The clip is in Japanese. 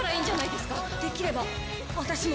できれば私も。